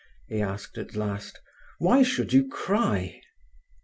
he asked at last. "Why should you cry?"